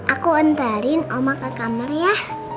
aku ntarin omang ke kamar ya